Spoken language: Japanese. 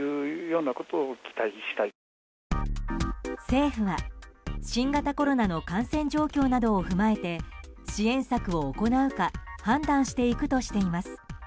政府は、新型コロナの感染状況などを踏まえて支援策を行うか判断していくとしています。